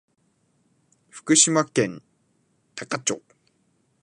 福島県塙町